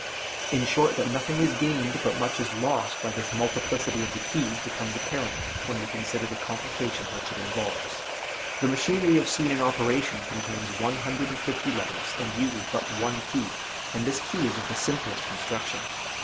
In short, that nothing is gained, but much is lost, by this multiplicity of the keys, becomes apparent when we consider the complication which it involves. The machine we have seen in operation contains one hundred and fifty letters, and uses but one key; and this key is of the simplest construction.